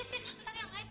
tidak ada yang baik